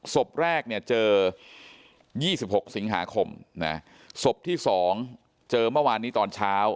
ศพแรกเจอ๒๖สิงหาคมศพที่สองเจอเมื่อวานนี้ตอนเช้า